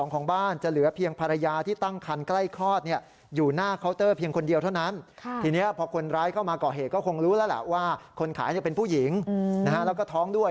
ก็คงรู้แล้วล่ะว่าคนขายเป็นผู้หญิงแล้วก็ท้องด้วย